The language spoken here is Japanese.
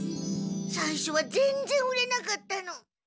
さいしょはぜんぜん売れなかったの。